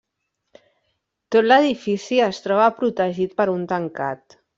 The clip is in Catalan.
Tot l'edifici es troba protegit per un tancat.